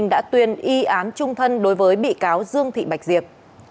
đã tuyên y án trung thân đối với bị cáo dương thị bạch diệp